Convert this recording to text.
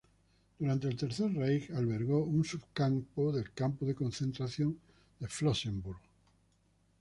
Durante el Tercer Reich, albergó un subcampo del campo de concentración de Flossenbürg.